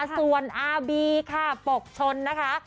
ส่วนอาบีค่ะปกชนนะคะ